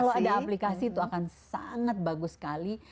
kalau ada aplikasi itu akan sangat bagus sekali